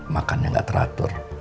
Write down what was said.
makannya gak teratur